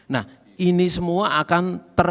nah ini semua akan